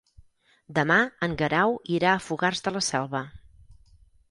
Demà en Guerau irà a Fogars de la Selva.